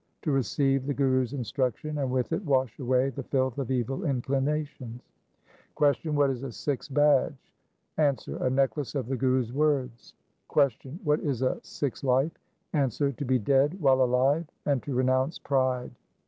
To receive the Guru's instruction and with it wash away the filth of evil inclinations. Q. What is a Sikh's badge ? A. A necklace of the Guru's words. Q. What is a Sikh's life ? A. To be dead while alive and to renounce pride.